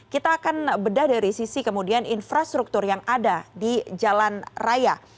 kita akan bedah dari sisi kemudian infrastruktur yang ada di jalan raya